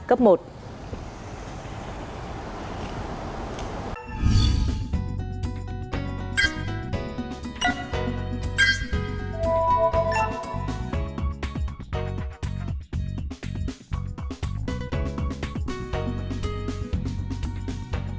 cảnh báo cấp độ rủi ro thiên tài